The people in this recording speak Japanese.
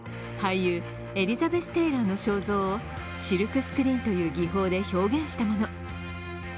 俳優、エリザベス・テイラーの肖像をシルクスクリーンという技法で表現したもの。